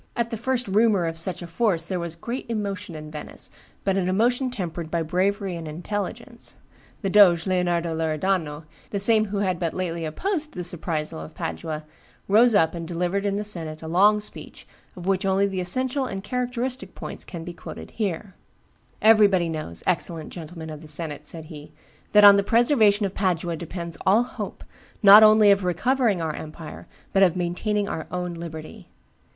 At the first rumor of such a force there was great emotion in Venice, but an emotion tempered by bravery and intelligence. The doge, Leonardo Loredano, the same who had but lately opposed the surprisal of Padua, rose up and delivered in the senate a long speech, of which only the essential and characteristic points can be quoted here: "Everybody knows, excellent gentlemen of the senate," said he, "that on the preservation of Padua depends all hope, not only of recovering our empire, but of maintaining our own liberty.